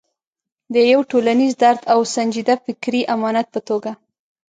د یو ټولنیز درد او سنجیده فکري امانت په توګه.